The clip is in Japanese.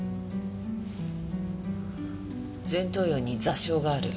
前頭葉に挫傷がある。